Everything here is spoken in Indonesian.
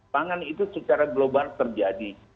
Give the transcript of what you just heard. pangan itu secara global terjadi